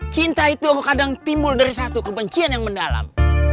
cinta itu kadang timbul dari satu kebencian yang mendalam